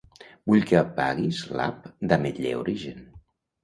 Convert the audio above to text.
Vull que apaguis l'app d'Ametller Origen.